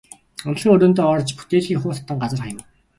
Унтлагын өрөөндөө орж бүтээлгийг хуу татан газар хаяв.